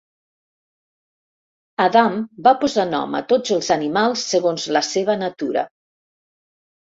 Adam va posar nom a tots els animals segons la seva natura.